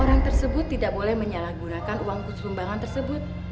orang tersebut tidak boleh menyalahgunakan uang khusus sumbangan tersebut